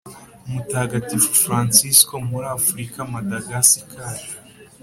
Mutagatifu Fransisko muri Afurika Madagasikari